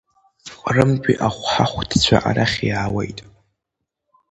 Ҟрымтәи ахәҳахәҭцәа арахь иаауеит.